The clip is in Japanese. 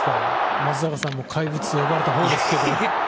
松坂さんも怪物と呼ばれたほうですけど。